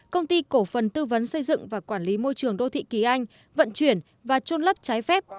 công ty cổ phần tư vấn xây dựng và quản lý môi trường đô thị kỳ anh vận chuyển và trôn lấp trái phép